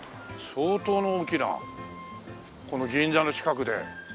相当大きなこの銀座の近くで。